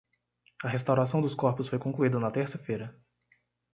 A restauração dos corpos foi concluída na terça-feira.